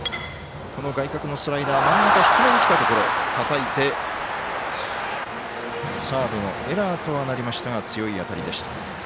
外角のスライダー真ん中低めにきたところたたいて、サードのエラーとはなりましたが強い当たりでした。